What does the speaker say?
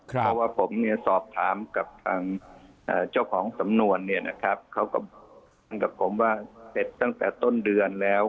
เพราะว่าผมสอบถามกับทางเจ้าของสำนวนเขากับผมว่าเสร็จตั้งแต่ต้นเดือนแล้ว